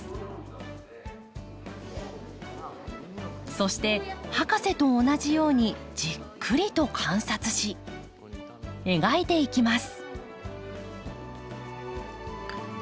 そして博士と同じようにじっくりと観察し描いていきます。